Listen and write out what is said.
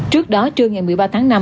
trước đó trưa ngày một mươi ba tháng năm